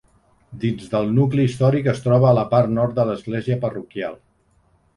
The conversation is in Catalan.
Dins del nucli històric es troba a la part nord de l'església parroquial.